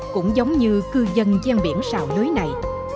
cũng giống như cư dân gian biển xào lưới này